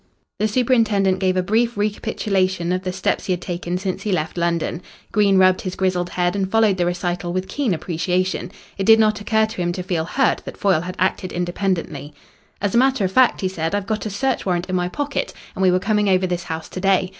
The superintendent gave a brief recapitulation of the steps he had taken since he left London. Green rubbed his grizzled head and followed the recital with keen appreciation. It did not occur to him to feel hurt that Foyle had acted independently. "As a matter of fact," he said, "I've got a search warrant in my pocket, and we were coming over this house to day.